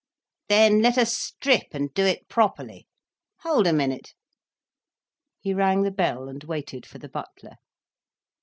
"Then let us strip, and do it properly. Hold a minute—" He rang the bell, and waited for the butler.